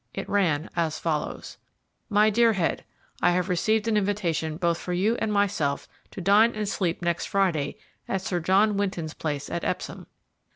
It ran as follows: "MY DEAR HEAD, I have received an invitation both for you and myself to dine and sleep next Friday at Sir John Winton's place at Epsom.